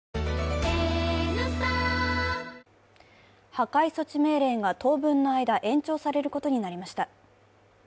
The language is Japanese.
破壊措置命令が当分の間、延長されることになりました。